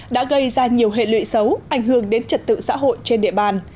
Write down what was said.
đã gây ra nhiều hệ lụy xấu ảnh hưởng đến trật tự xã hội trên địa bàn